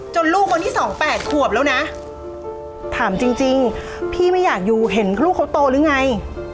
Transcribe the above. ลูกคนที่สองแปดขวบแล้วนะถามจริงพี่ไม่อยากอยู่เห็นลูกเขาโตหรือไง